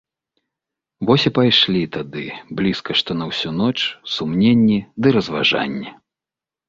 Вось і пайшлі тады блізка што на ўсю ноч сумненні ды разважанні.